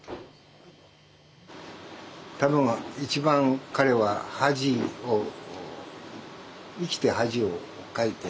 多分一番彼は恥を生きて恥をかいて。